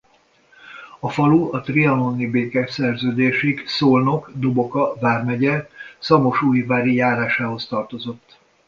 A falu a trianoni békeszerződésig Szolnok-Doboka vármegye Szamosújvári járásához tartozott.